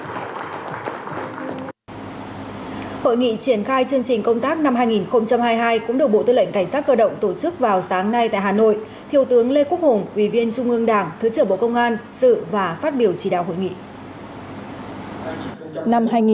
hội nghị triển khai chương trình công tác năm hai nghìn hai mươi hai cũng được bộ tư lệnh cảnh sát cơ động tổ chức vào sáng nay tại hà nội